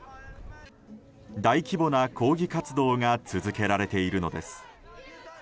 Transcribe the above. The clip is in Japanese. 大規模な抗議活動が続けられているのです。